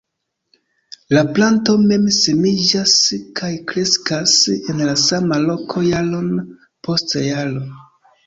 La planto mem-semiĝas, kaj kreskas en la sama loko jaron post jaro.